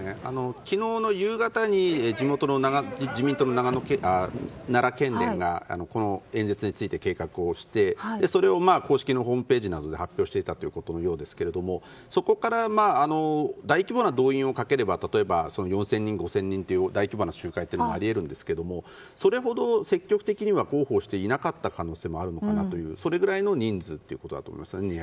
昨日の夕方に自民党の奈良県連がこの演説について計画をしてそれを公式のホームページなどで発表していたということのようですけどもそこから大規模な動員をかければ例えば４０００人や５０００人という大規模な集会というのはあり得るんですけどもそれほど積極的には広報していなかった可能性もあるのかなとそれぐらいの人数ということだと思いますね。